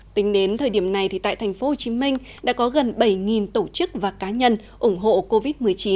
tính đến thời điểm này tại tp hcm đã có gần bảy tổ chức và cá nhân ủng hộ covid một mươi chín